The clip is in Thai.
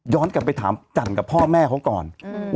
ย้อนกลับไปถามจันทร์กับพ่อแม่เขาก่อนอืม